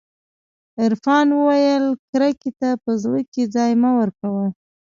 عرفان وويل کرکې ته په زړه کښې ځاى مه ورکوه.